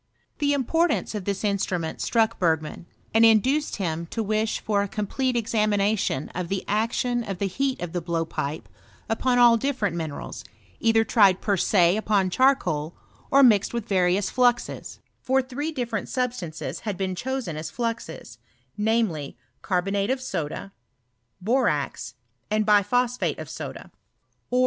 The importance of this instrument struck Bergman, and induced him to wish for a complete examination of the action of the heat of the blowpipe upon all different minerals, either tried per se upon charcoal, or mixed with various fluxes ; for three different substances had been chosen as fluxes, namely, car^ bonate ofsodoy borax, and biphosphate of soda; or, VOL. II. R I I I BISTOaT or CH£«ISTKT.